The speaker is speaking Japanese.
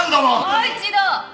もう一度！